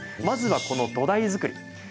まずは、この土台作り。